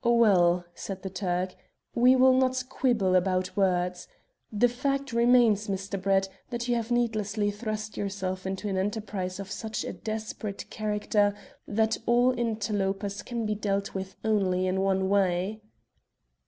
"Well," said the Turk, "we will not quibble about words. The fact remains, Mr. Brett, that you have needlessly thrust yourself into an enterprise of such a desperate character that all interlopers can be dealt with only in one way."